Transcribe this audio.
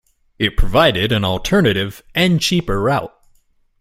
It provided an alternative and cheaper route.